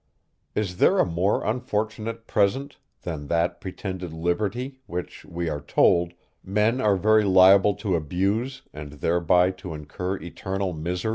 Is there a more unfortunate present, than that pretended liberty, which, we are told, men are very liable to abuse, and thereby to incur eternal misery?